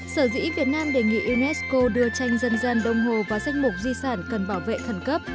sở dĩ việt nam đề nghị unesco đưa tranh dân dân đông hồ vào danh mục di sản cần bảo vệ khẩn cấp